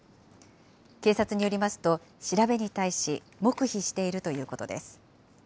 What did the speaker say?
警察によりますと、調べに対し、黙秘しているということです。